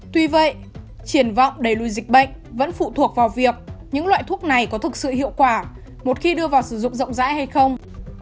tuy vậy triển vọng đẩy lùi dịch bệnh vẫn phụ thuộc vào việc những loại thuốc này có thực sự hiệu quả một khi đưa vào sử dụng rộng rãi hay không